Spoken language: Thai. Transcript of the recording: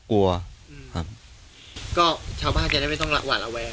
ก็ชาวบ้านจะได้ไม่ต้องหวั่นระแวง